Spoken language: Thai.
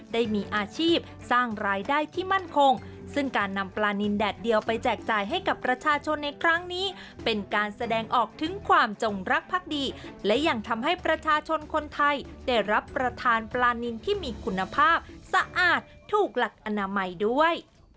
ได้มีอาชีพสร้างรายได้ที่มั่นคงซึ่งการนำปลานินแดดเดียวไปแจกจ่ายให้กับประชาชนในครั้งนี้เป็นการแสดงออกถึงความจงรักพักดีและยังทำให้ประชาชนคนไทยได้รับประทานปลานินที่มีคุณภาพสะอาดถูกหลักอนามัยด้วย